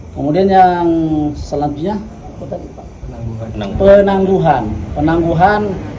kemudian yang selanjutnya